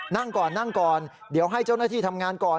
นั่งก่อนนั่งก่อนเดี๋ยวให้เจ้าหน้าที่ทำงานก่อน